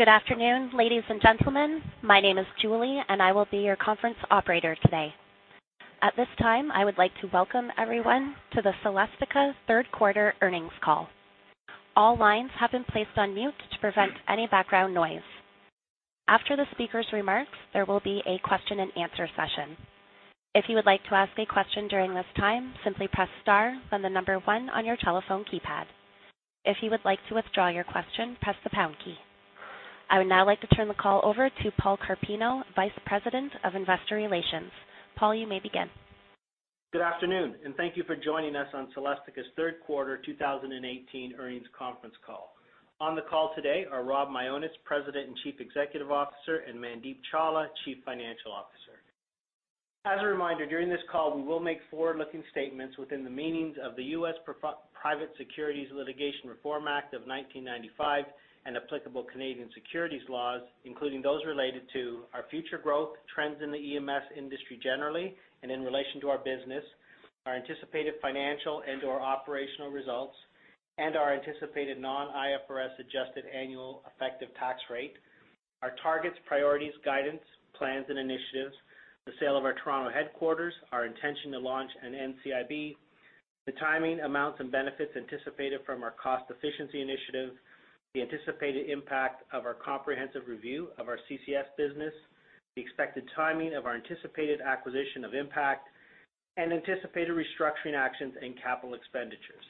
Good afternoon, ladies and gentlemen. My name is Julie, and I will be your conference operator today. At this time, I would like to welcome everyone to the Celestica third quarter earnings call. All lines have been placed on mute to prevent any background noise. After the speaker's remarks, there will be a question and answer session. If you would like to ask a question during this time, simply press star, then the number 1 on your telephone keypad. If you would like to withdraw your question, press the pound key. I would now like to turn the call over to Paul Carpino, Vice President of Investor Relations. Paul, you may begin. Good afternoon. Thank you for joining us on Celestica's third quarter 2018 earnings conference call. On the call today are Rob Mionis, President and Chief Executive Officer, and Mandeep Chawla, Chief Financial Officer. As a reminder, during this call, we will make forward-looking statements within the meanings of the U.S. Private Securities Litigation Reform Act of 1995 and applicable Canadian securities laws, including those related to our future growth trends in the EMS industry generally and in relation to our business, our anticipated financial and/or operational results, and our anticipated non-IFRS adjusted annual effective tax rate, our targets, priorities, guidance, plans, and initiatives, the sale of our Toronto headquarters, our intention to launch an NCIB, the timing, amounts, and benefits anticipated from our cost efficiency initiative, the anticipated impact of our comprehensive review of our CCS business, the expected timing of our anticipated acquisition of Impakt, and anticipated restructuring actions and capital expenditures.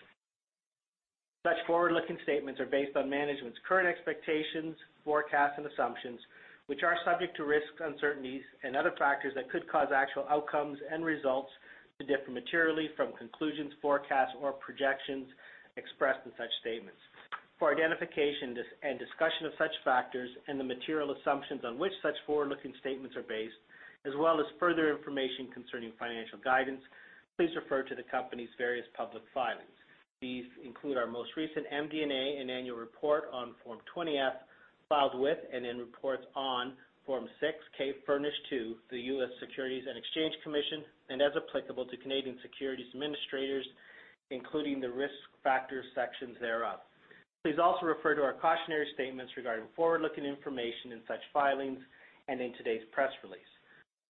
Such forward-looking statements are based on management's current expectations, forecasts, and assumptions, which are subject to risks, uncertainties, and other factors that could cause actual outcomes and results to differ materially from conclusions, forecasts, or projections expressed in such statements. For identification and discussion of such factors and the material assumptions on which such forward-looking statements are based, as well as further information concerning financial guidance, please refer to the company's various public filings. These include our most recent MD&A and annual report on Form 20-F filed with and then reports on Form 6-K furnished to the U.S. Securities and Exchange Commission and as applicable to Canadian securities administrators, including the risk factor sections thereof. Please also refer to our cautionary statements regarding forward-looking information in such filings and in today's press release.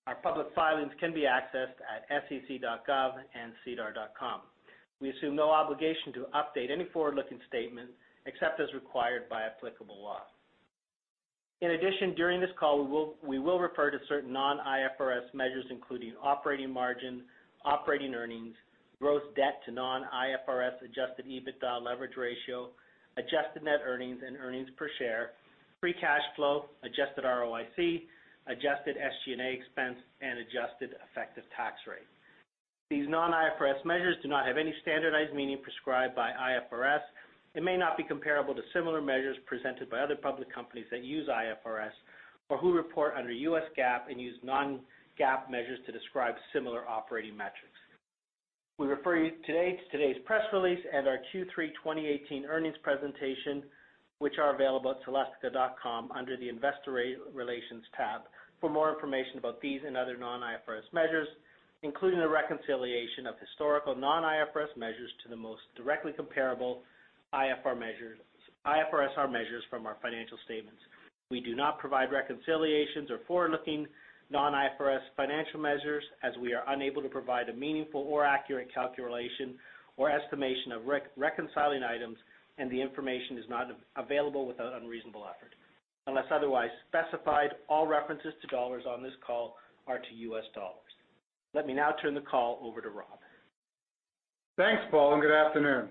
Our public filings can be accessed at sec.gov and sedar.com. We assume no obligation to update any forward-looking statement except as required by applicable law. In addition, during this call, we will refer to certain non-IFRS measures, including operating margin, operating earnings, gross debt to non-IFRS adjusted EBITDA leverage ratio, adjusted net earnings and earnings per share, free cash flow, adjusted ROIC, adjusted SG&A expense, and adjusted effective tax rate. These non-IFRS measures do not have any standardized meaning prescribed by IFRS and may not be comparable to similar measures presented by other public companies that use IFRS or who report under U.S. GAAP and use non-GAAP measures to describe similar operating metrics. We refer you to today's press release and our Q3 2018 earnings presentation, which are available at celestica.com under the investor relations tab for more information about these and other non-IFRS measures, including a reconciliation of historical non-IFRS measures to the most directly comparable IFRS measures from our financial statements. We do not provide reconciliations or forward-looking non-IFRS financial measures as we are unable to provide a meaningful or accurate calculation or estimation of reconciling items, and the information is not available with an unreasonable effort. Unless otherwise specified, all references to dollars on this call are to U.S. dollars. Let me now turn the call over to Rob. Thanks, Paul, and good afternoon.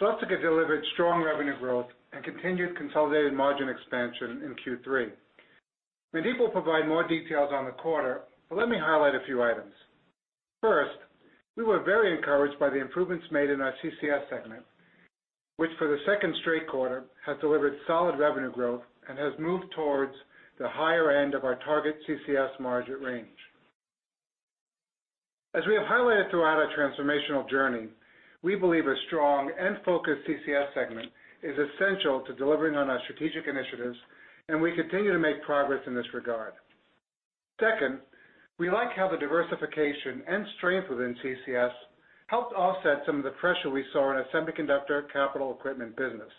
Celestica delivered strong revenue growth and continued consolidated margin expansion in Q3. Mandeep will provide more details on the quarter, but let me highlight a few items. First, we were very encouraged by the improvements made in our CCS segment, which for the second straight quarter has delivered solid revenue growth and has moved towards the higher end of our target CCS margin range. As we have highlighted throughout our transformational journey, we believe a strong and focused CCS segment is essential to delivering on our strategic initiatives, and we continue to make progress in this regard. Second, we like how the diversification and strength within CCS helped offset some of the pressure we saw in our semiconductor capital equipment business.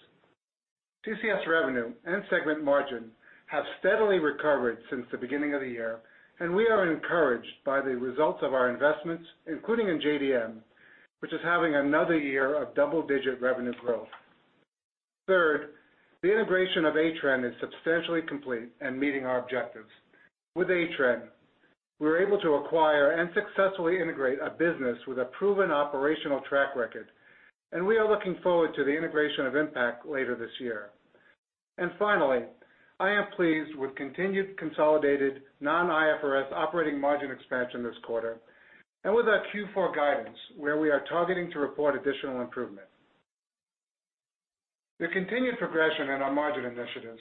CCS revenue and segment margin have steadily recovered since the beginning of the year, and we are encouraged by the results of our investments, including in JDM, which is having another year of double-digit revenue growth. Third, the integration of Atrenne is substantially complete and meeting our objectives. With Atrenne, we were able to acquire and successfully integrate a business with a proven operational track record, and we are looking forward to the integration of Impakt later this year. Finally, I am pleased with continued consolidated non-IFRS operating margin expansion this quarter and with our Q4 guidance, where we are targeting to report additional improvement. The continued progression in our margin initiatives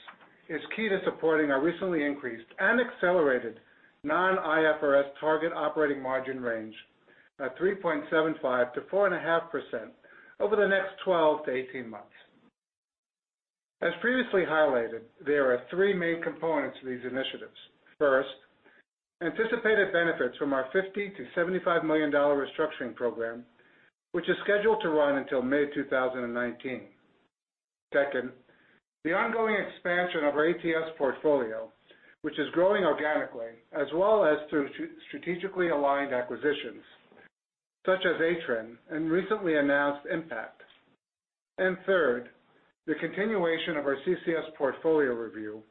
is key to supporting our recently increased and accelerated non-IFRS target operating margin range at 3.75%-4.5% over the next 12 to 18 months. As previously highlighted, there are three main components to these initiatives. First, anticipated benefits from our $50 million-$75 million restructuring program, which is scheduled to run until May 2019. Second, the ongoing expansion of our ATS portfolio, which is growing organically as well as through strategically aligned acquisitions such as Atrenne and recently announced Impakt. Third, the continuation of our CCS portfolio review,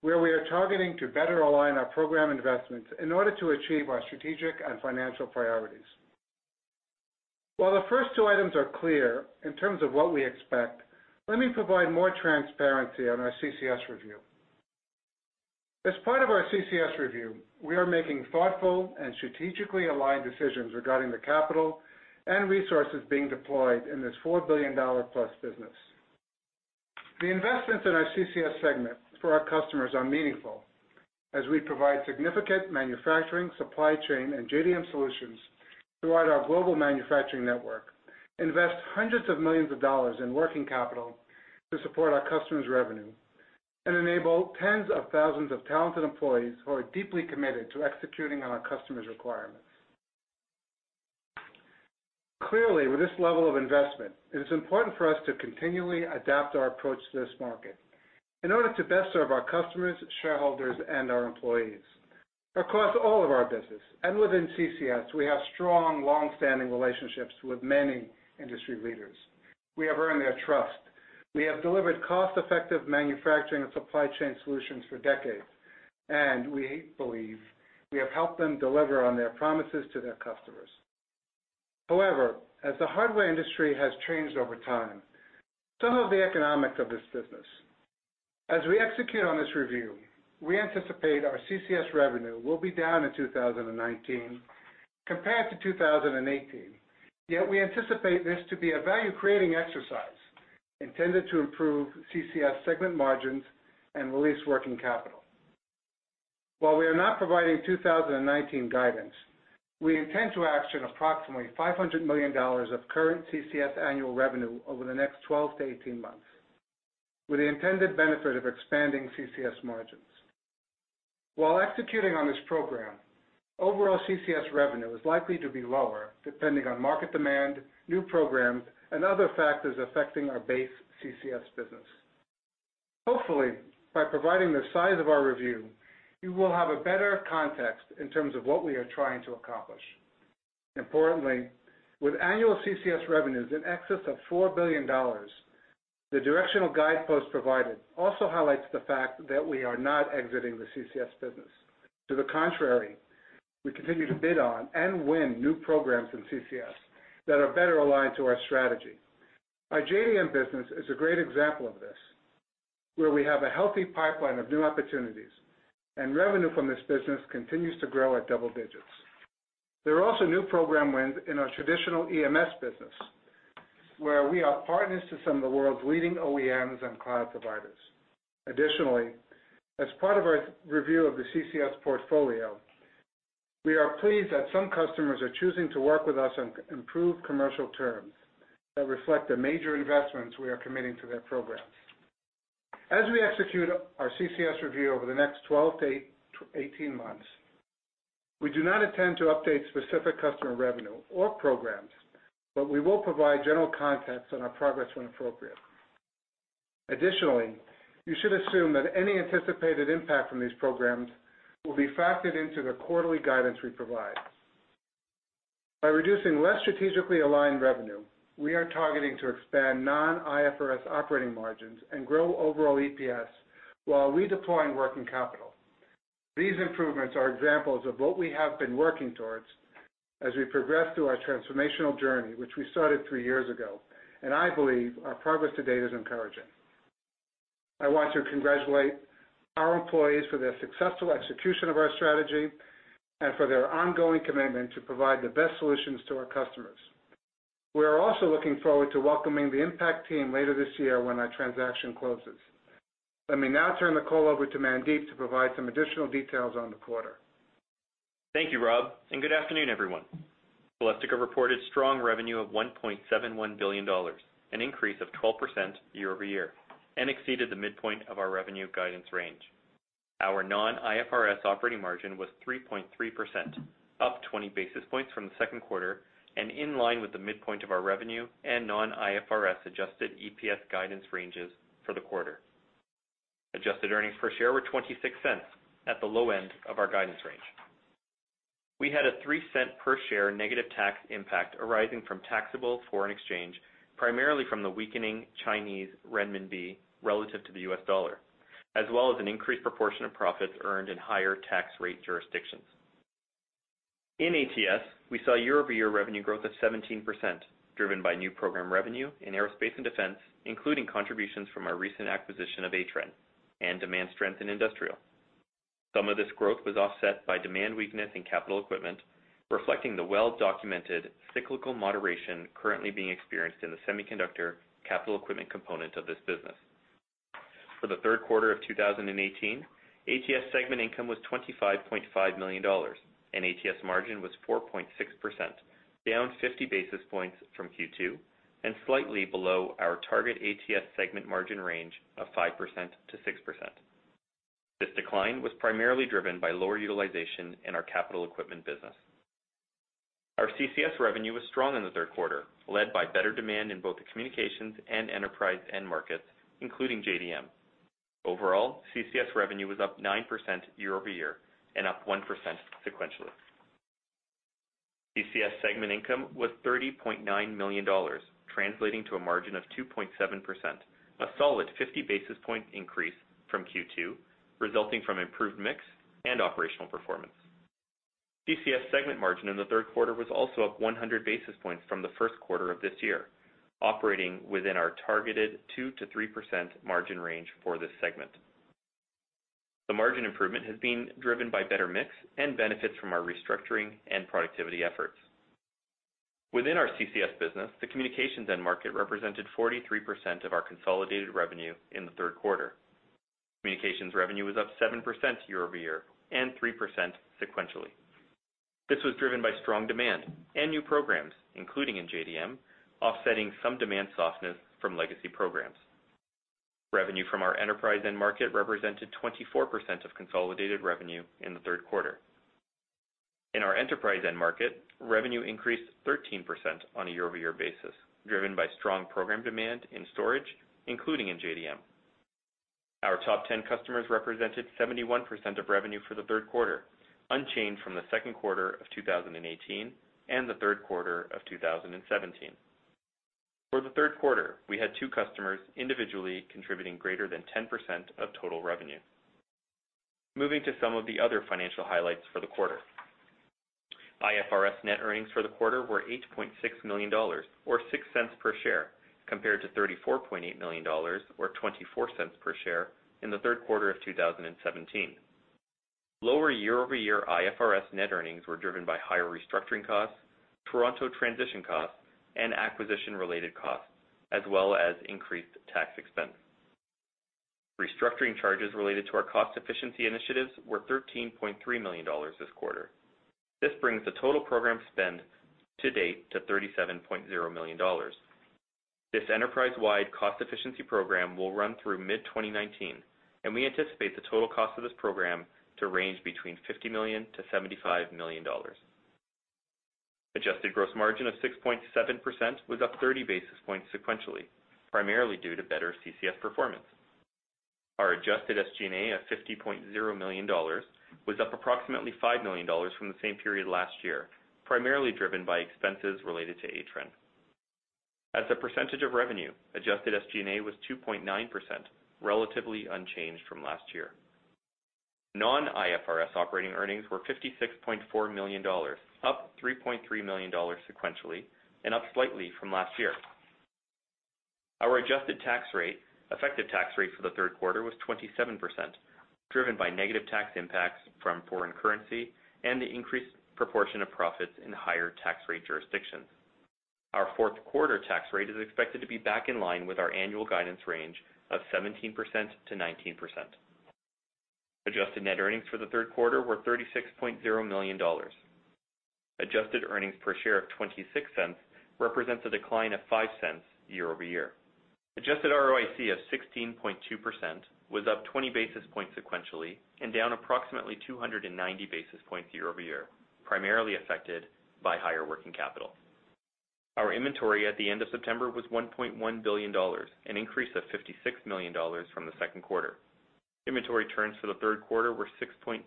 where we are targeting to better align our program investments in order to achieve our strategic and financial priorities. While the first two items are clear in terms of what we expect, let me provide more transparency on our CCS review. As part of our CCS review, we are making thoughtful and strategically aligned decisions regarding the capital and resources being deployed in this $4 billion-plus business. The investments in our CCS segment for our customers are meaningful as we provide significant manufacturing, supply chain, and JDM solutions throughout our global manufacturing network, invest hundreds of millions of dollars in working capital to support our customers' revenue, and enable tens of thousands of talented employees who are deeply committed to executing on our customers' requirements. Clearly, with this level of investment, it is important for us to continually adapt our approach to this market in order to best serve our customers, shareholders, and our employees. Across all of our business and within CCS, we have strong, longstanding relationships with many industry leaders. We have earned their trust. We have delivered cost-effective manufacturing and supply chain solutions for decades, and we believe we have helped them deliver on their promises to their customers. However, as the hardware industry has changed over time, so have the economics of this business. As we execute on this review, we anticipate our CCS revenue will be down in 2019 compared to 2018. Yet, we anticipate this to be a value-creating exercise intended to improve CCS segment margins and release working capital. While we are not providing 2019 guidance, we intend to action approximately $500 million of current CCS annual revenue over the next 12-18 months with the intended benefit of expanding CCS margins. While executing on this program, overall CCS revenue is likely to be lower, depending on market demand, new programs, and other factors affecting our base CCS business. Hopefully, by providing the size of our review, you will have a better context in terms of what we are trying to accomplish. Importantly, with annual CCS revenues in excess of $4 billion, the directional guidepost provided also highlights the fact that we are not exiting the CCS business. To the contrary, we continue to bid on and win new programs in CCS that are better aligned to our strategy. Our JDM business is a great example of this, where we have a healthy pipeline of new opportunities and revenue from this business continues to grow at double digits. There are also new program wins in our traditional EMS business, where we are partners to some of the world's leading OEMs and cloud providers. Additionally, as part of our review of the CCS portfolio, we are pleased that some customers are choosing to work with us on improved commercial terms that reflect the major investments we are committing to their programs. As we execute our CCS review over the next 12 to 18 months, we do not intend to update specific customer revenue or programs, but we will provide general context on our progress when appropriate. Additionally, you should assume that any anticipated impact from these programs will be factored into the quarterly guidance we provide. By reducing less strategically aligned revenue, we are targeting to expand non-IFRS operating margins and grow overall EPS while redeploying working capital. These improvements are examples of what we have been working towards as we progress through our transformational journey, which we started three years ago, and I believe our progress to date is encouraging. I want to congratulate our employees for their successful execution of our strategy and for their ongoing commitment to provide the best solutions to our customers. We are also looking forward to welcoming the Impakt team later this year when our transaction closes. Let me now turn the call over to Mandeep to provide some additional details on the quarter. Thank you, Rob. Good afternoon, everyone. Celestica reported strong revenue of $1.71 billion, an increase of 12% year-over-year, and exceeded the midpoint of our revenue guidance range. Our non-IFRS operating margin was 3.3%, up 20 basis points from the second quarter and in line with the midpoint of our revenue and non-IFRS adjusted EPS guidance ranges for the quarter. Adjusted earnings per share were $0.26, at the low end of our guidance range. We had a $0.03 per share negative tax impact arising from taxable foreign exchange, primarily from the weakening Chinese renminbi relative to the U.S. dollar, as well as an increased proportion of profits earned in higher tax rate jurisdictions. In ATS, we saw year-over-year revenue growth of 17%, driven by new program revenue in aerospace and defense, including contributions from our recent acquisition of Atrenne, and demand strength in industrial. Some of this growth was offset by demand weakness in capital equipment, reflecting the well-documented cyclical moderation currently being experienced in the Semiconductor Capital Equipment component of this business. For the third quarter of 2018, ATS segment income was $25.5 million, and ATS margin was 4.6%, down 50 basis points from Q2. Slightly below our target ATS segment margin range of 5%-6%. This decline was primarily driven by lower utilization in our capital equipment business. Our CCS revenue was strong in the third quarter, led by better demand in both the communications and enterprise end markets, including JDM. Overall, CCS revenue was up 9% year-over-year and up 1% sequentially. CCS segment income was $30.9 million, translating to a margin of 2.7%, a solid 50 basis point increase from Q2, resulting from improved mix and operational performance. CCS segment margin in the third quarter was also up 100 basis points from the first quarter of this year, operating within our targeted 2%-3% margin range for this segment. The margin improvement has been driven by better mix and benefits from our restructuring and productivity efforts. Within our CCS business, the communications end market represented 43% of our consolidated revenue in the third quarter. Communications revenue was up 7% year-over-year and 3% sequentially. This was driven by strong demand and new programs, including in JDM, offsetting some demand softness from legacy programs. Revenue from our enterprise end market represented 24% of consolidated revenue in the third quarter. In our enterprise end market, revenue increased 13% on a year-over-year basis, driven by strong program demand in storage, including in JDM. Our top 10 customers represented 71% of revenue for the third quarter, unchanged from the second quarter of 2018 and the third quarter of 2017. For the third quarter, we had two customers individually contributing greater than 10% of total revenue. Moving to some of the other financial highlights for the quarter. IFRS net earnings for the quarter were $8.6 million, or $0.06 per share, compared to $34.8 million, or $0.24 per share in the third quarter of 2017. Lower year-over-year IFRS net earnings were driven by higher restructuring costs, Toronto transition costs, and acquisition-related costs, as well as increased tax expense. Restructuring charges related to our cost efficiency initiatives were $13.3 million this quarter. This brings the total program spend to date to $37.0 million. This enterprise-wide cost efficiency program will run through mid-2019, we anticipate the total cost of this program to range between $50 million-$75 million. Adjusted gross margin of 6.7% was up 30 basis points sequentially, primarily due to better CCS performance. Our adjusted SG&A of $50.0 million was up approximately $5 million from the same period last year, primarily driven by expenses related to Atrenne. As a percentage of revenue, adjusted SG&A was 2.9%, relatively unchanged from last year. Non-IFRS operating earnings were $56.4 million, up $3.3 million sequentially and up slightly from last year. Our adjusted tax rate, effective tax rate for the third quarter was 27%, driven by negative tax impacts from foreign currency and the increased proportion of profits in higher tax rate jurisdictions. Our fourth quarter tax rate is expected to be back in line with our annual guidance range of 17%-19%. Adjusted net earnings for the third quarter were $36.0 million. Adjusted earnings per share of $0.26 represents a decline of $0.05 year-over-year. Adjusted ROIC of 16.2% was up 20 basis points sequentially and down approximately 290 basis points year-over-year, primarily affected by higher working capital. Our inventory at the end of September was $1.1 billion, an increase of $56 million from the second quarter. Inventory turns for the third quarter were 6.2,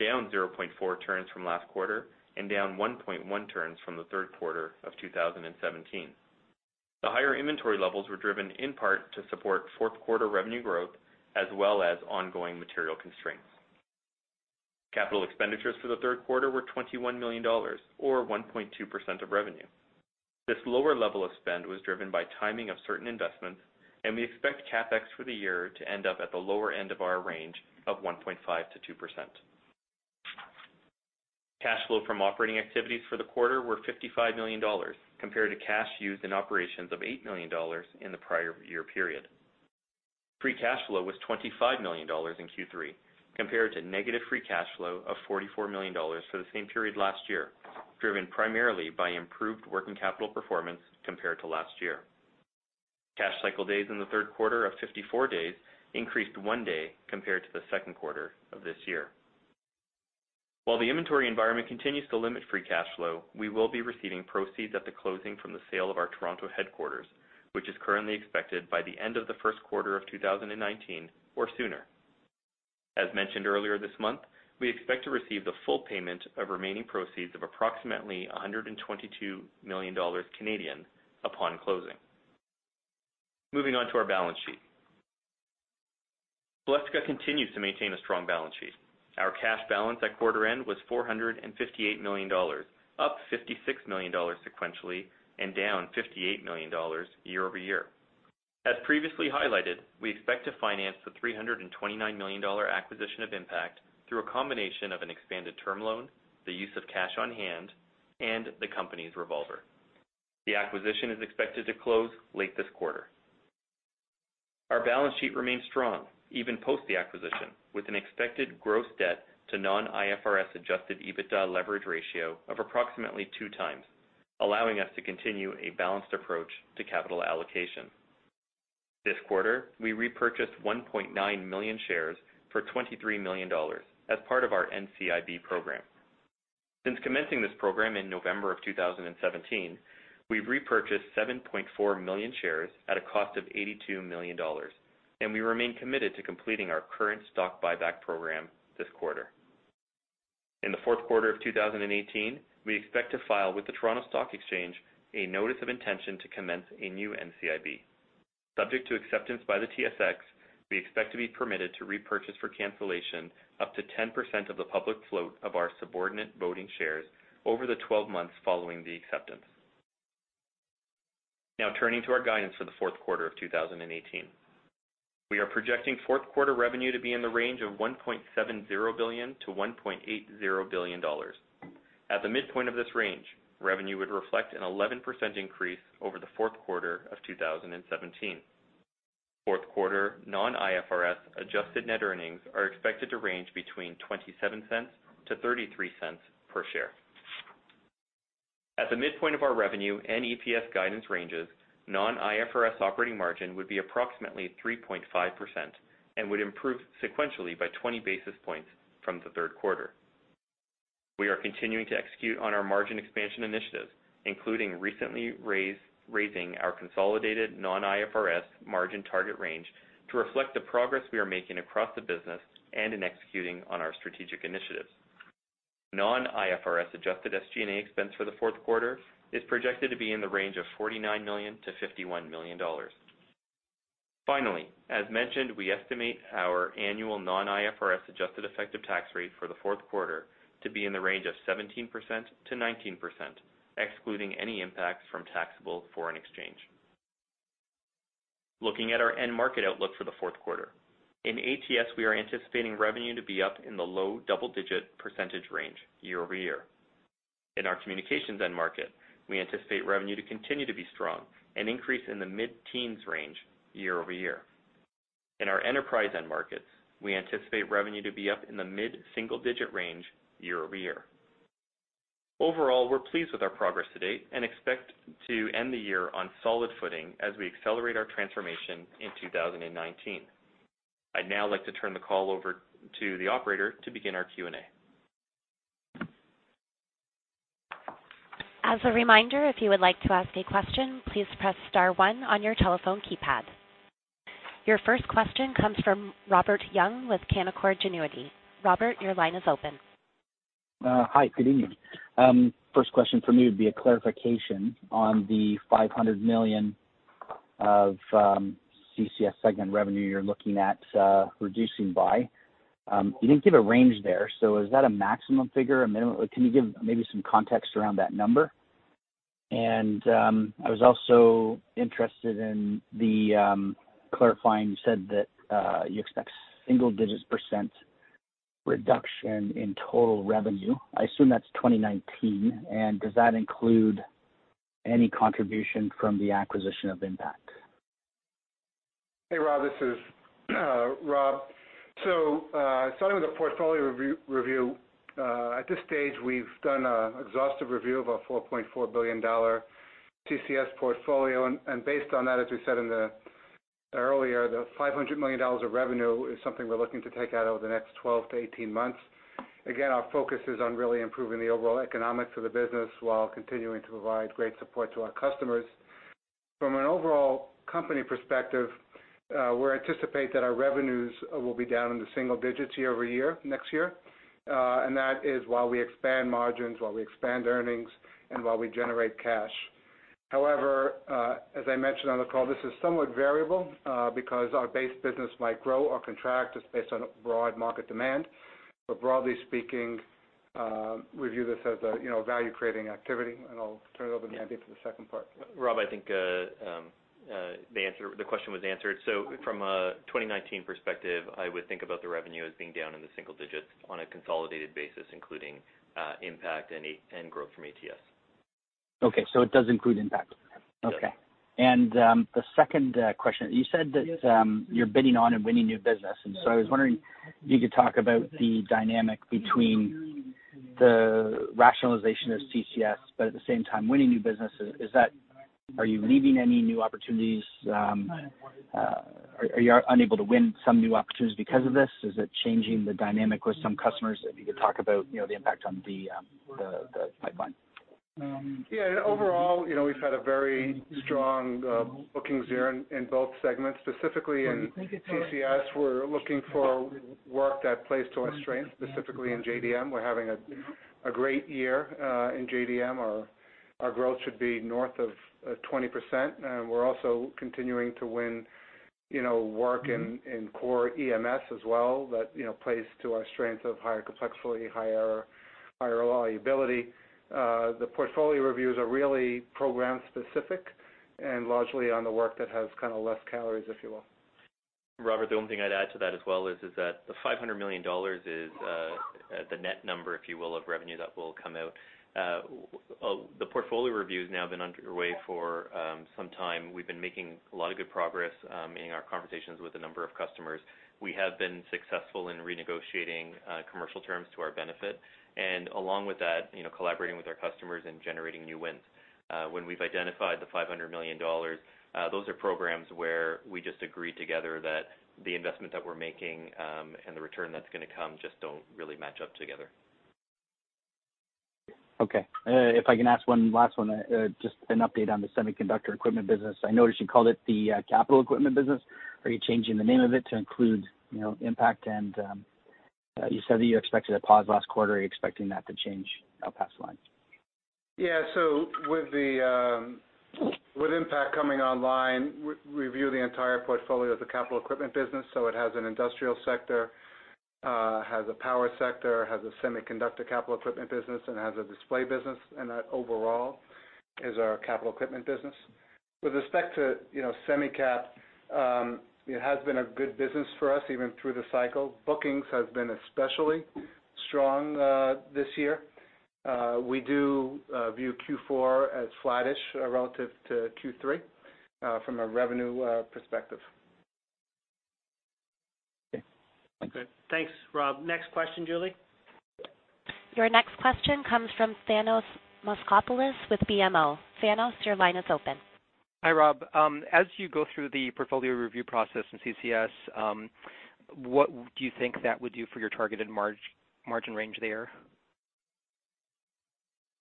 down 0.4 turns from last quarter and down 1.1 turns from the third quarter of 2017. The higher inventory levels were driven in part to support fourth quarter revenue growth, as well as ongoing material constraints. Capital expenditures for the third quarter were $21 million, or 1.2% of revenue. This lower level of spend was driven by timing of certain investments. We expect CapEx for the year to end up at the lower end of our range of 1.5%-2%. Cash flow from operating activities for the quarter were $55 million, compared to cash used in operations of $8 million in the prior year period. Free cash flow was $25 million in Q3, compared to negative free cash flow of negative $44 million for the same period last year, driven primarily by improved working capital performance compared to last year. Cash cycle days in the third quarter of 54 days increased one day compared to the second quarter of this year. While the inventory environment continues to limit free cash flow, we will be receiving proceeds at the closing from the sale of our Toronto headquarters, which is currently expected by the end of the first quarter of 2019 or sooner. As mentioned earlier this month, we expect to receive the full payment of remaining proceeds of approximately 122 million Canadian dollars upon closing. Moving on to our balance sheet. Celestica continues to maintain a strong balance sheet. Our cash balance at quarter end was $458 million, up $56 million sequentially and down $58 million year-over-year. As previously highlighted, we expect to finance the $329 million acquisition of Impakt through a combination of an expanded term loan, the use of cash on hand, and the company's revolver. The acquisition is expected to close late this quarter. Our balance sheet remains strong, even post the acquisition, with an expected gross debt to non-IFRS adjusted EBITDA leverage ratio of approximately two times, allowing us to continue a balanced approach to capital allocation. This quarter, we repurchased 1.9 million shares for $23 million as part of our NCIB program. Since commencing this program in November of 2017, we've repurchased 7.4 million shares at a cost of $82 million. We remain committed to completing our current stock buyback program this quarter. In the fourth quarter of 2018, we expect to file with the Toronto Stock Exchange a notice of intention to commence a new NCIB. Subject to acceptance by the TSX, we expect to be permitted to repurchase for cancellation up to 10% of the public float of our subordinate voting shares over the 12 months following the acceptance. Turning to our guidance for the fourth quarter of 2018. We are projecting fourth quarter revenue to be in the range of $1.70 billion-$1.80 billion. At the midpoint of this range, revenue would reflect an 11% increase over the fourth quarter of 2017. Fourth quarter non-IFRS adjusted net earnings are expected to range between $0.27-$0.33 per share. At the midpoint of our revenue and EPS guidance ranges, non-IFRS operating margin would be approximately 3.5% and would improve sequentially by 20 basis points from the third quarter. We are continuing to execute on our margin expansion initiatives, including recently raising our consolidated non-IFRS margin target range to reflect the progress we are making across the business and in executing on our strategic initiatives. Non-IFRS adjusted SG&A expense for the fourth quarter is projected to be in the range of $49 million-$51 million. As mentioned, we estimate our annual non-IFRS adjusted effective tax rate for the fourth quarter to be in the range of 17%-19%, excluding any impacts from taxable foreign exchange. Looking at our end market outlook for the fourth quarter. In ATS, we are anticipating revenue to be up in the low double-digit % range year-over-year. In our communications end market, we anticipate revenue to continue to be strong, an increase in the mid-teens range year-over-year. In our enterprise end markets, we anticipate revenue to be up in the mid-single digit range year-over-year. We're pleased with our progress to date and expect to end the year on solid footing as we accelerate our transformation in 2019. I'd now like to turn the call over to the operator to begin our Q&A. As a reminder, if you would like to ask a question, please press star one on your telephone keypad. Your first question comes from Robert Young with Canaccord Genuity. Robert, your line is open. Hi, good evening. First question from me would be a clarification on the $500 million of CCS segment revenue you're looking at reducing by. You didn't give a range there, is that a maximum figure or minimum? Can you give maybe some context around that number? I was also interested in clarifying, you said that you expect single digits % reduction in total revenue. I assume that's 2019, does that include any contribution from the acquisition of Impakt? Hey, Rob, this is Rob. Starting with the portfolio review. At this stage, we've done an exhaustive review of our $4.4 billion CCS portfolio, based on that, as we said earlier, the $500 million of revenue is something we're looking to take out over the next 12 to 18 months. Our focus is on really improving the overall economics of the business while continuing to provide great support to our customers. From an overall company perspective, we anticipate that our revenues will be down in the single digits year-over-year next year. That is while we expand margins, while we expand earnings, and while we generate cash. However, as I mentioned on the call, this is somewhat variable because our base business might grow or contract. It's based on broad market demand. Broadly speaking, we view this as a value-creating activity, and I'll turn it over to Mandeep for the second part. Rob, I think the question was answered. From a 2019 perspective, I would think about the revenue as being down in the single digits on a consolidated basis, including Impakt and growth from ATS. Okay, it does include Impakt? Yes. Okay. The second question, you said that you're bidding on and winning new business, and so I was wondering if you could talk about the dynamic between the rationalization of CCS, but at the same time winning new business. Are you leaving any new opportunities? Are you unable to win some new opportunities because of this? Is it changing the dynamic with some customers? If you could talk about the impact on the pipeline. Overall, we've had a very strong bookings year in both segments. Specifically in CCS, we're looking for work that plays to our strengths, specifically in JDM. We're having a great year in JDM. Our growth should be north of 20%, and we're also continuing to win work in core EMS as well that plays to our strength of higher complexity, higher liability. The portfolio reviews are really program-specific and largely on the work that has kind of less calories, if you will. Robert, the only thing I'd add to that as well is that the $500 million is the net number, if you will, of revenue that will come out. The portfolio review has now been underway for some time. We've been making a lot of good progress in our conversations with a number of customers. We have been successful in renegotiating commercial terms to our benefit, and along with that, collaborating with our customers and generating new wins. When we've identified the $500 million, those are programs where we just agree together that the investment that we're making and the return that's going to come just don't really match up together. If I can ask one last one, just an update on the semiconductor equipment business. I noticed you called it the capital equipment business. Are you changing the name of it to include Impakt? You said that you expected a pause last quarter. Are you expecting that to change past the line? With Impakt coming online, we view the entire portfolio as a capital equipment business. It has an industrial sector, has a power sector, has a semiconductor capital equipment business, and has a display business, and that overall is our capital equipment business. With respect to SemiCap, it has been a good business for us, even through the cycle. Bookings have been especially strong this year. We do view Q4 as flattish relative to Q3 from a revenue perspective. Okay, thanks. Good. Thanks, Rob. Next question, Julie. Your next question comes from Thanos Moschopoulos with BMO. Thanos, your line is open. Hi, Rob. As you go through the portfolio review process in CCS, what do you think that would do for your targeted margin range there?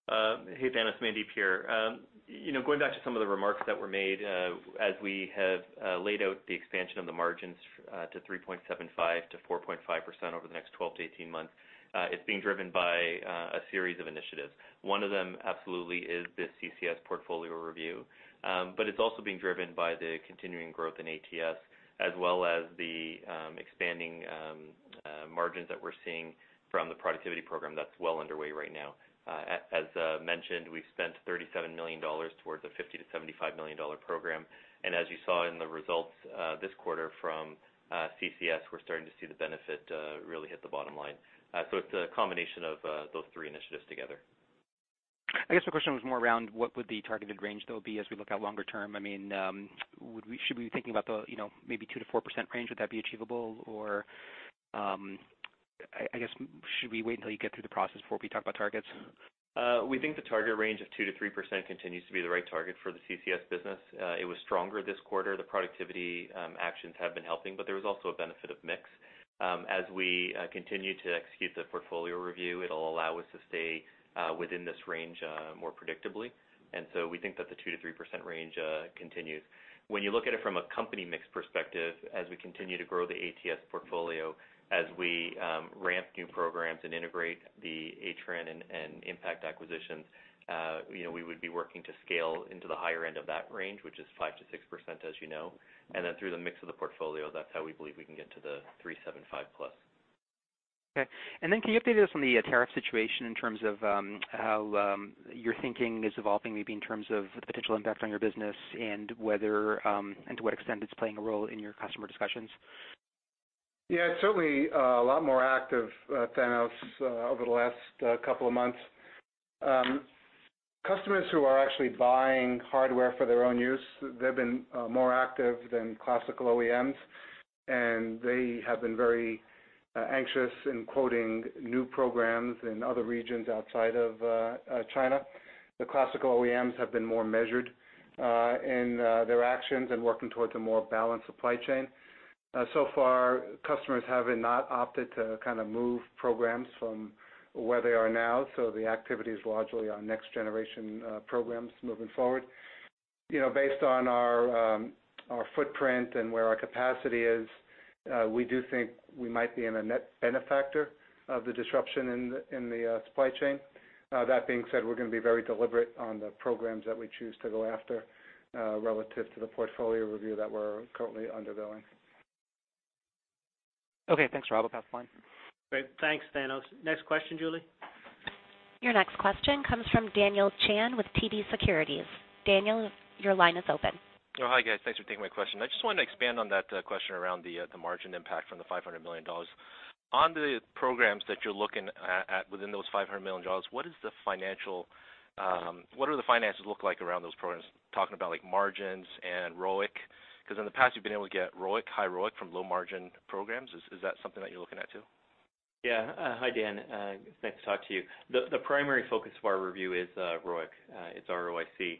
Hey, Thanos. Mandeep here. Going back to some of the remarks that were made, as we have laid out the expansion of the margins to 3.75%-4.5% over the next 12-18 months, it's being driven by a series of initiatives. One of them absolutely is this CCS portfolio review, but it's also being driven by the continuing growth in ATS, as well as the expanding margins that we're seeing from the productivity program that's well underway right now. As mentioned, we've spent $37 million towards a $50 million-$75 million program. As you saw in the results this quarter from CCS, we're starting to see the benefit really hit the bottom line. It's a combination of those three initiatives together. I guess my question was more around what would the targeted range though be as we look out longer term. Should we be thinking about the maybe two%-four% range? Would that be achievable? I guess, should we wait until you get through the process before we talk about targets? We think the target range of two%-three% continues to be the right target for the CCS business. It was stronger this quarter. The productivity actions have been helping, but there was also a benefit of mix. As we continue to execute the portfolio review, it will allow us to stay within this range more predictably. We think that the two%-three% range continues. When you look at it from a company mix perspective, as we continue to grow the ATS portfolio, as we ramp new programs and integrate the Atrenne and Impakt acquisitions, we would be working to scale into the higher end of that range, which is five%-six%, as you know. Through the mix of the portfolio, that's how we believe we can get to the 3.75% plus. Okay. Can you update us on the tariff situation in terms of how your thinking is evolving, maybe in terms of the potential impact on your business and to what extent it's playing a role in your customer discussions? It's certainly a lot more active, Thanos, over the last couple of months. Customers who are actually buying hardware for their own use, they've been more active than classical OEMs, and they have been very anxious in quoting new programs in other regions outside of China. The classical OEMs have been more measured in their actions and working towards a more balanced supply chain. So far, customers have not opted to kind of move programs from where they are now, the activity is largely on next-generation programs moving forward. Based on our footprint and where our capacity is, we do think we might be a net benefactor of the disruption in the supply chain. That being said, we're going to be very deliberate on the programs that we choose to go after relative to the portfolio review that we're currently undergoing. Okay, thanks, Rob. I'll pass the line. Great. Thanks, Thanos. Next question, Julie. Your next question comes from Daniel Chan with TD Securities. Daniel, your line is open. Hi, guys. Thanks for taking my question. I just wanted to expand on that question around the margin impact from the $500 million. On the programs that you're looking at within those $500 million, what do the finances look like around those programs? Talking about margins and ROIC, because in the past, you've been able to get high ROIC from low-margin programs. Is that something that you're looking at, too? Yeah. Hi, Dan. Thanks for talking to you. The primary focus of our review is ROIC. It's R-O-I-C.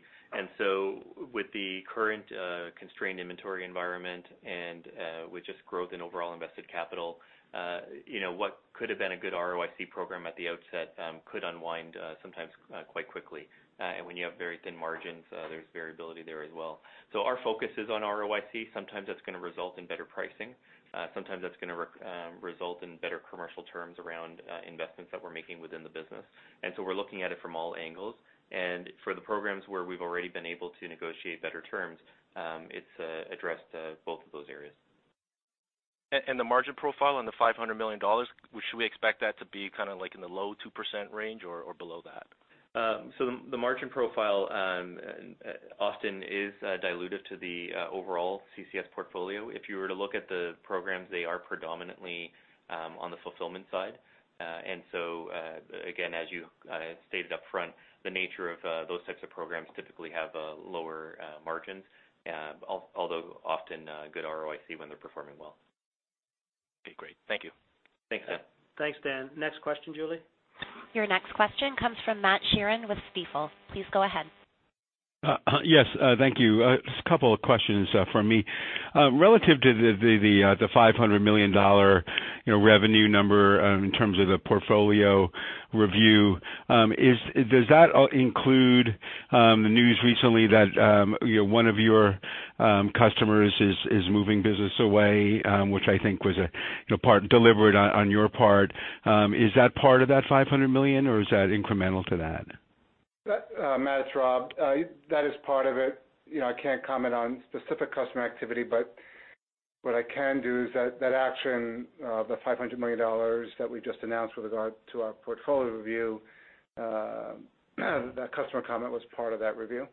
With the current constrained inventory environment and with just growth in overall invested capital, what could have been a good ROIC program at the outset could unwind sometimes quite quickly. When you have very thin margins, there's variability there as well. Our focus is on ROIC. Sometimes that's going to result in better pricing. Sometimes that's going to result in better commercial terms around investments that we're making within the business. We're looking at it from all angles. For the programs where we've already been able to negotiate better terms, it's addressed both of those areas. The margin profile on the $500 million, should we expect that to be like in the low 2% range or below that? The margin profile often is dilutive to the overall CCS portfolio. If you were to look at the programs, they are predominantly on the fulfillment side. Again, as you stated up front, the nature of those types of programs typically have lower margins, although often good ROIC when they're performing well. Okay, great. Thank you. Thanks, Dan. Thanks, Dan. Next question, Julie. Your next question comes from Matthew Sheerin with Stifel. Please go ahead. Yes. Thank you. Just a couple of questions from me. Relative to the $500 million revenue number in terms of the portfolio review, does that include the news recently that one of your customers is moving business away, which I think was delivered on your part? Is that part of that $500 million, or is that incremental to that? Matt, it's Rob. That is part of it. I can't comment on specific customer activity, but what I can do is that action of the $500 million that we just announced with regard to our portfolio review, that customer comment was part of that review.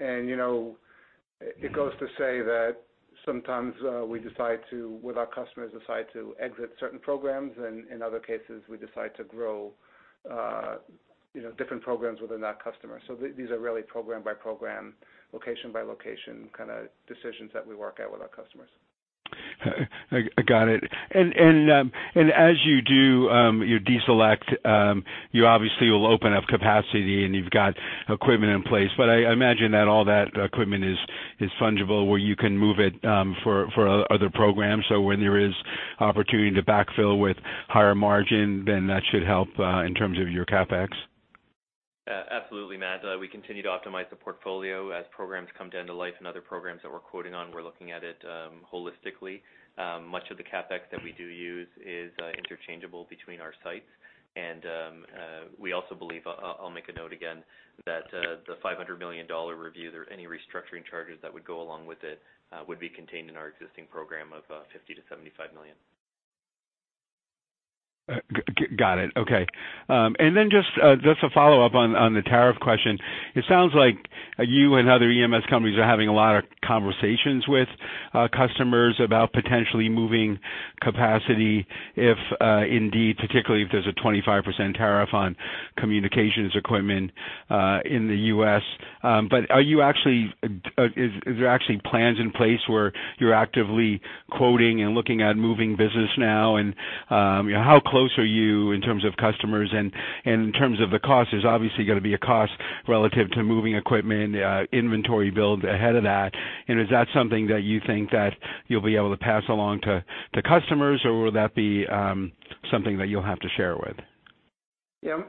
It goes to say that sometimes we, with our customers, decide to exit certain programs, and in other cases, we decide to grow different programs within that customer. These are really program-by-program, location-by-location kind of decisions that we work out with our customers. I got it. As you do your deselect, you obviously will open up capacity and you've got equipment in place. I imagine that all that equipment is fungible, where you can move it for other programs. When there is opportunity to backfill with higher margin, then that should help in terms of your CapEx. Absolutely, Matt. We continue to optimize the portfolio as programs come to end of life and other programs that we're quoting on, we're looking at it holistically. Much of the CapEx that we do use is interchangeable between our sites, and we also believe, I'll make a note again, that the $500 million review, there any restructuring charges that would go along with it, would be contained in our existing program of $50 million-$75 million. Got it. Okay. Just a follow-up on the tariff question. It sounds like you and other EMS companies are having a lot of conversations with customers about potentially moving capacity, if indeed, particularly if there's a 25% tariff on communications equipment in the U.S. Are there actually plans in place where you're actively quoting and looking at moving business now, and how close are you in terms of customers and in terms of the cost? There's obviously going to be a cost relative to moving equipment, inventory build ahead of that, and is that something that you think that you'll be able to pass along to customers, or will that be something that you'll have to share with? Yeah.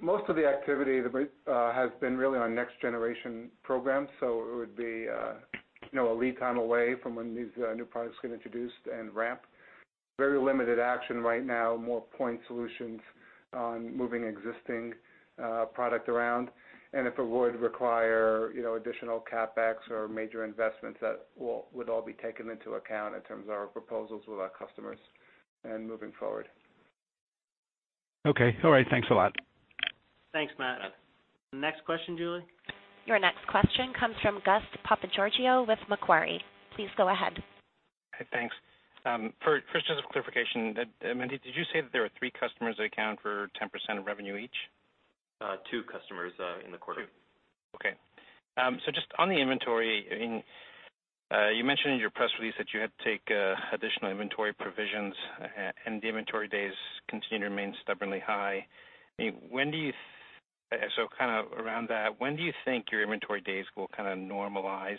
Most of the activity has been really on next generation programs, it would be a lead time away from when these new products get introduced and ramp. Very limited action right now, more point solutions on moving existing product around. If it would require additional CapEx or major investments, that would all be taken into account in terms of our proposals with our customers and moving forward. Okay. All right. Thanks a lot. Thanks, Matt. Next question, Julie. Your next question comes from Gus Papageorgiou with Macquarie. Please go ahead. Thanks. First, just for clarification, Mandeep, did you say that there are three customers that account for 10% of revenue each? Two customers in the quarter. Two. Okay. Just on the inventory, you mentioned in your press release that you had to take additional inventory provisions and the inventory days continue to remain stubbornly high. Kind of around that, when do you think your inventory days will kind of normalize?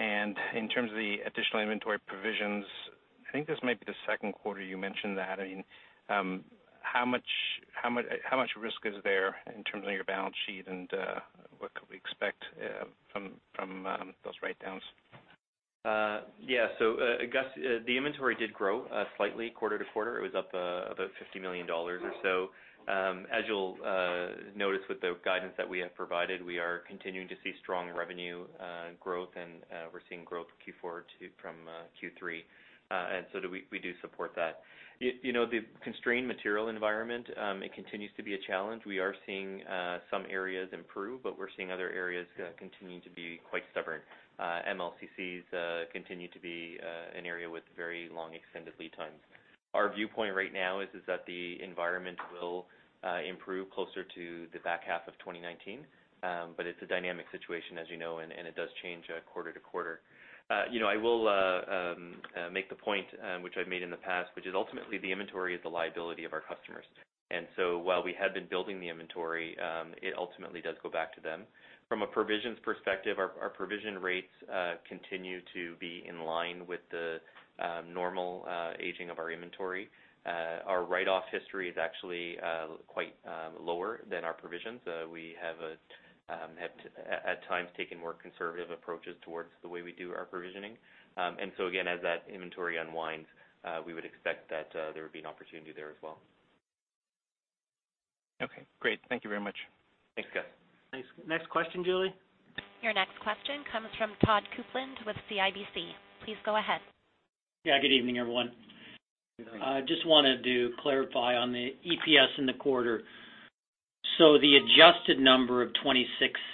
In terms of the additional inventory provisions, I think this might be the second quarter you mentioned that. How much risk is there in terms of your balance sheet, and what could we expect from those write-downs? Gus, the inventory did grow slightly quarter to quarter. It was up about $50 million or so. As you'll notice with the guidance that we have provided, we are continuing to see strong revenue growth, and we're seeing growth Q4 from Q3. We do support that. The constrained material environment, it continues to be a challenge. We are seeing some areas improve, but we're seeing other areas continue to be quite stubborn. MLCCs continue to be an area with very long extended lead times. Our viewpoint right now is that the environment will improve closer to the back half of 2019. It's a dynamic situation, as you know, and it does change quarter to quarter. I will make the point which I've made in the past, which is ultimately the inventory is the liability of our customers. While we have been building the inventory, it ultimately does go back to them. From a provisions perspective, our provision rates continue to be in line with the normal aging of our inventory. Our write-off history is actually quite lower than our provisions. We have, at times, taken more conservative approaches towards the way we do our provisioning. Again, as that inventory unwinds, we would expect that there would be an opportunity there as well. Okay, great. Thank you very much. Thanks, Gus. Thanks. Next question, Julie? Your next question comes from Todd Coupland with CIBC. Please go ahead. Yeah, good evening, everyone. Good evening. I just wanted to clarify on the EPS in the quarter. The adjusted number of $0.26,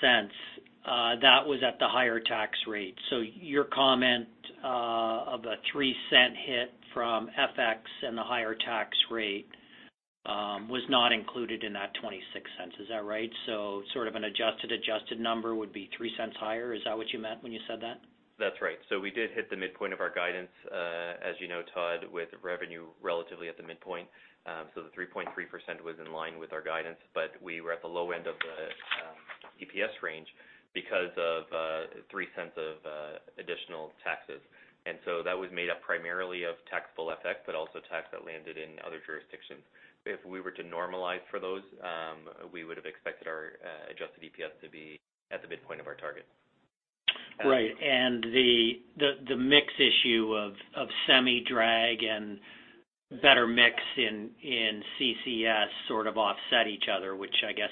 that was at the higher tax rate. Your comment of a $0.03 hit from FX and the higher tax rate was not included in that $0.26, is that right? Sort of an adjusted number would be $0.03 higher. Is that what you meant when you said that? That's right. We did hit the midpoint of our guidance, as you know, Todd, with revenue relatively at the midpoint. The 3.3% was in line with our guidance, but we were at the low end of the EPS range because of $0.03 of additional taxes. That was made up primarily of taxable FX, but also tax that landed in other jurisdictions. If we were to normalize for those, we would've expected our adjusted EPS to be at the midpoint of our target. Right. The mix issue of semi drag and better mix in CCS sort of offset each other, which I guess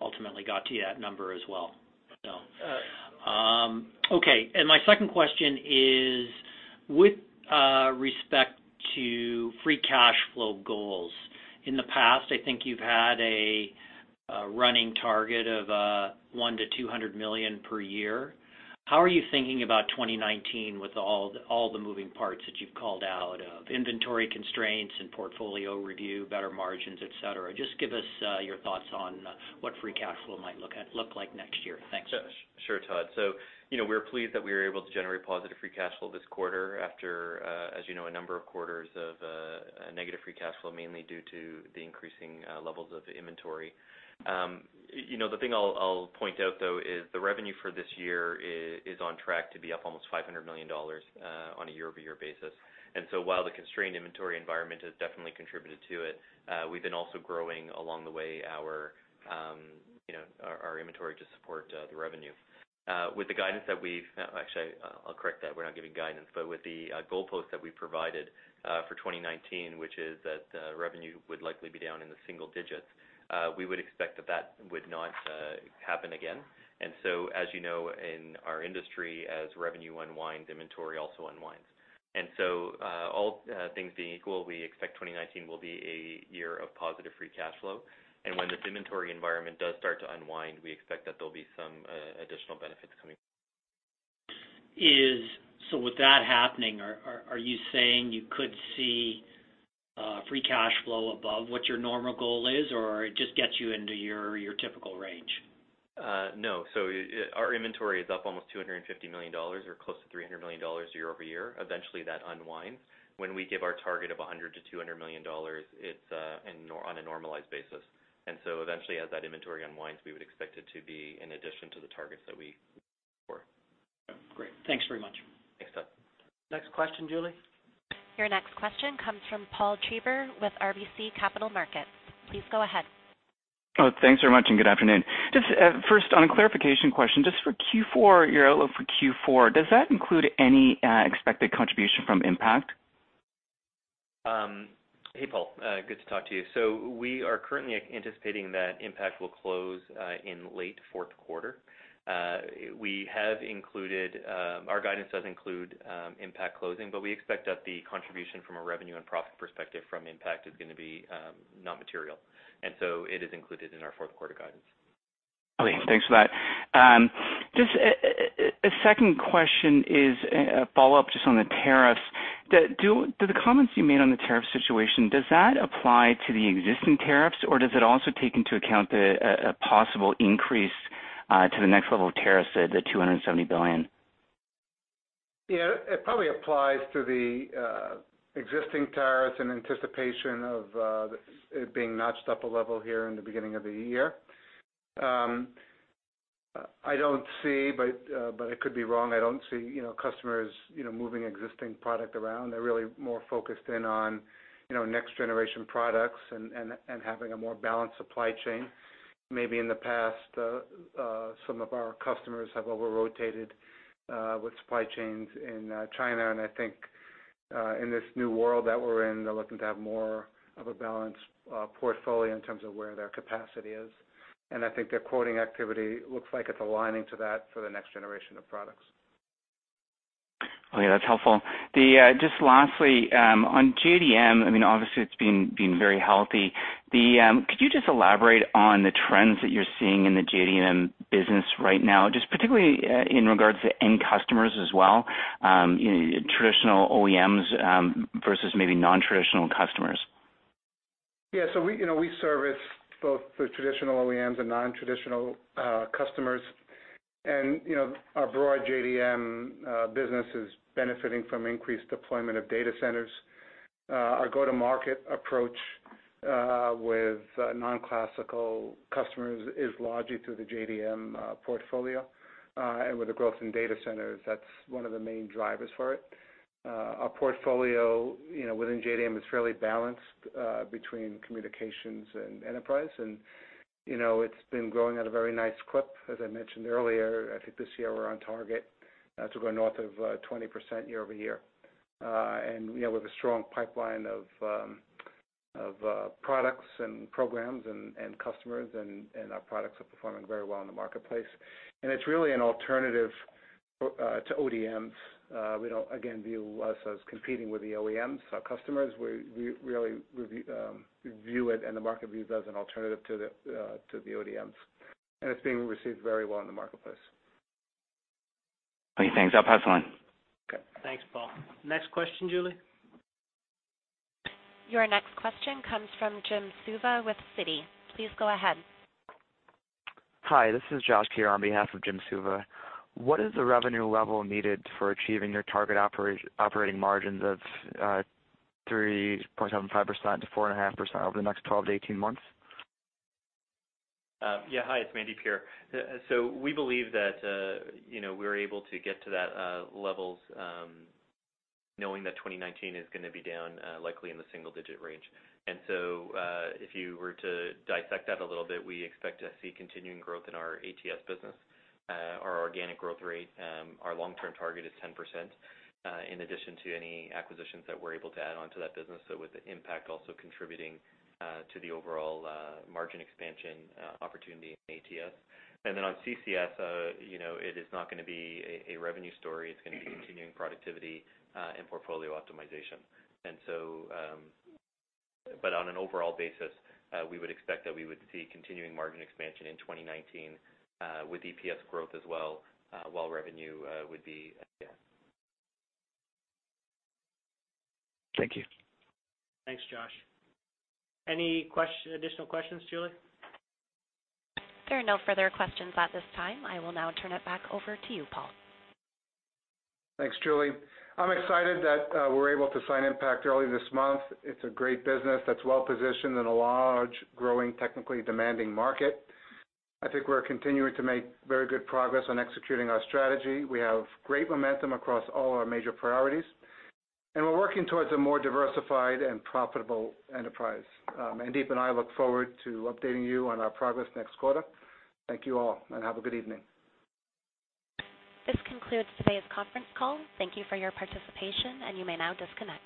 ultimately got to you that number as well. Yes. Okay. My second question is, with respect to free cash flow goals. In the past, I think you've had a running target of $100 million-$200 million per year. How are you thinking about 2019 with all the moving parts that you've called out of inventory constraints and portfolio review, better margins, et cetera? Just give us your thoughts on what free cash flow might look like next year. Thanks. Sure, Todd. We're pleased that we were able to generate positive free cash flow this quarter after, as you know, a number of quarters of negative free cash flow, mainly due to the increasing levels of inventory. The thing I'll point out though is the revenue for this year is on track to be up almost $500 million, on a year-over-year basis. While the constrained inventory environment has definitely contributed to it, we've been also growing along the way our inventory to support the revenue. With the goalpost that we provided for 2019, which is that revenue would likely be down in the single digits, we would expect that that would not happen again. As you know, in our industry as revenue unwinds, inventory also unwinds. All things being equal, we expect 2019 will be a year of positive free cash flow. When this inventory environment does start to unwind, we expect that there'll be some additional benefits coming. With that happening, are you saying you could see free cash flow above what your normal goal is, or it just gets you into your typical range? No. Our inventory is up almost $250 million or close to $300 million year-over-year. Eventually, that unwinds. When we give our target of $100 million-$200 million, it's on a normalized basis, eventually as that inventory unwinds, we would expect it to be in addition to the targets that we set forth. Great. Thanks very much. Thanks, Todd. Next question, Julie. Your next question comes from Paul Treiber with RBC Capital Markets. Please go ahead. Thanks very much. Good afternoon. First on a clarification question, for Q4, your outlook for Q4, does that include any expected contribution from Impakt? Hey, Paul. Good to talk to you. We are currently anticipating that Impakt will close in late fourth quarter. Our guidance does include Impakt closing, but we expect that the contribution from a revenue and profit perspective from Impakt is going to be not material, it is included in our fourth quarter guidance. Thanks for that. A second question is a follow-up on the tariffs. Do the comments you made on the tariff situation, does that apply to the existing tariffs, or does it also take into account a possible increase to the next level of tariffs at the $270 billion? It probably applies to the existing tariffs in anticipation of it being notched up a level here in the beginning of the year. I don't see, but I could be wrong, I don't see customers moving existing product around. They're really more focused on next generation products and having a more balanced supply chain. Maybe in the past, some of our customers have over-rotated with supply chains in China. I think, in this new world that we're in, they're looking to have more of a balanced portfolio in terms of where their capacity is. I think their quoting activity looks like it's aligning to that for the next generation of products. Okay, that's helpful. Just lastly, on JDM, obviously it's been very healthy. Could you just elaborate on the trends that you're seeing in the JDM business right now, just particularly in regards to end customers as well, traditional OEMs versus maybe non-traditional customers? Yeah. We service both the traditional OEMs and non-traditional customers. Our broad JDM business is benefiting from increased deployment of data centers. Our go-to-market approach with non-classical customers is largely through the JDM portfolio. With the growth in data centers, that's one of the main drivers for it. Our portfolio within JDM is fairly balanced between communications and enterprise, and it's been growing at a very nice clip. As I mentioned earlier, I think this year we're on target to go north of 20% year-over-year. With a strong pipeline of products and programs and customers, and our products are performing very well in the marketplace. It's really an alternative to ODMs. We don't, again, view us as competing with the OEMs, our customers. We really view it and the market views it as an alternative to the ODMs, and it's being received very well in the marketplace. Okay, thanks. I'll pass the line. Okay. Thanks, Paul. Next question, Julie? Your next question comes from Jim Suva with Citi. Please go ahead. Hi, this is Josh here on behalf of Jim Suva. What is the revenue level needed for achieving your target operating margins of 3.75%-4.5% over the next 12-18 months? Yeah. Hi, it's Mandeep here. We believe that we're able to get to that levels, knowing that 2019 is going to be down, likely in the single-digit range. If you were to dissect that a little bit, we expect to see continuing growth in our ATS business, our organic growth rate. Our long-term target is 10%, in addition to any acquisitions that we're able to add onto that business. With the Impakt also contributing to the overall margin expansion opportunity in ATS. On CCS, it is not going to be a revenue story. It's going to be continuing productivity and portfolio optimization. On an overall basis, we would expect that we would see continuing margin expansion in 2019, with EPS growth as well, while revenue would be down. Thank you. Thanks, Josh. Any additional questions, Julie? There are no further questions at this time. I will now turn it back over to you, Paul. Thanks, Julie. I'm excited that we were able to sign Impakt early this month. It's a great business that's well-positioned in a large, growing, technically demanding market. I think we're continuing to make very good progress on executing our strategy. We have great momentum across all our major priorities, and we're working towards a more diversified and profitable enterprise. Mandeep and I look forward to updating you on our progress next quarter. Thank you all, and have a good evening. This concludes today's conference call. Thank you for your participation, and you may now disconnect.